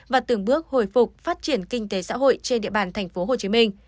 và từng bước hồi phục phát triển kinh tế xã hội trên địa bàn tp hcm